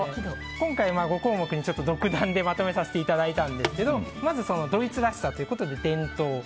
今回、５項目に独断でまとめさせていただいたんですけどまずドイツらしさということで伝統。